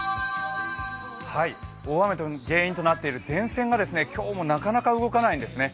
大雨の原因となっている前線が今日もなかなか動かないんですね。